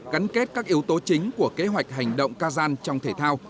gắn kết các yếu tố chính của kế hoạch hành động kazan trong thể thao